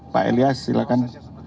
pak elias silahkan